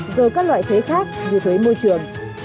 rồi các loại thuế khác như thuế môi trường